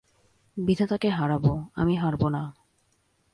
বিধাতাকে হারাব, আমি হারব না।